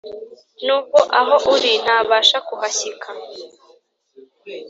Nubwo aho uri ntabasha kuhashyika